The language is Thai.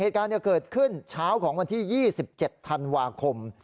เหตุการณ์เกิดขึ้นเช้าของวันที่๒๗ธันวาคม